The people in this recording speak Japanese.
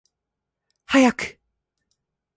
早く